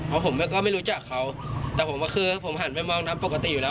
เพราะผมก็ไม่รู้จักเขาแต่ผมก็คือผมหันไปมองน้ำปกติอยู่แล้ว